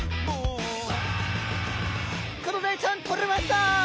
クロダイちゃんとれました！